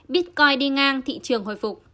bitcoin đi ngang thị trường hồi phục